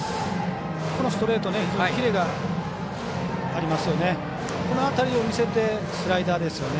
このストレート、非常にキレがありますよね。